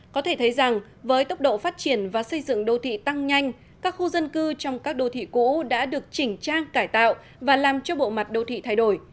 có thể thấy rằng với tốc độ phát triển và xây dựng đô thị tăng nhanh các khu dân cư trong các đô thị cũ đã được chỉnh trang cải tạo và làm cho bộ mặt đô thị thay đổi